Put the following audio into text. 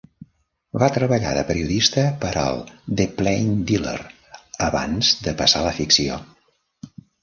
Va treballar de periodista per al "The Plain Dealer" abans de passar a la ficció.